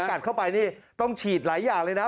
กัดเข้าไปนี่ต้องฉีดหลายอย่างเลยนะ